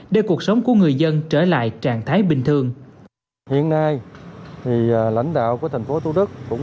giúp người dân trở lại trạng thái bình thường